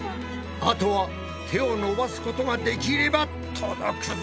あとは手を伸ばすことができれば届くぞ。